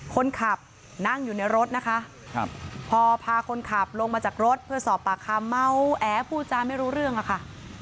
คนขับนั่งอยู่ในรถนะคะพอพาคนขับลงมาจากรถเพื่อสอบปากคำเมาแอพูดจาไม่รู้เรื่องอะค่ะ